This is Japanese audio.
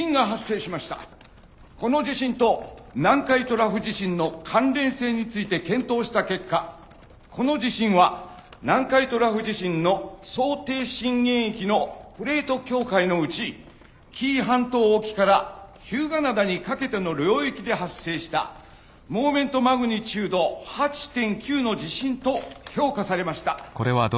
この地震と南海トラフ地震の関連性について検討した結果この地震は南海トラフ地震の想定震源域のプレート境界のうち紀伊半島沖から日向灘にかけての領域で発生したモーメントマグニチュード８．９の地震と評価されました。